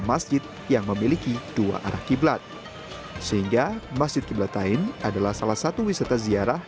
masjid yang memiliki dua arah qiblat sehingga masjid qiblat lain adalah salah satu wisata ziarah